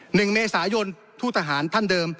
หนึ่งเมษายนผู้ทหารท่านเดิม